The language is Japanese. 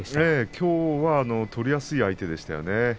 きょうは取りやすい相手でしたね。